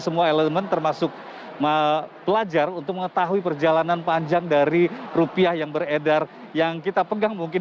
masuk pelajar untuk mengetahui perjalanan panjang dari rupiah yang beredar yang kita pegang mungkin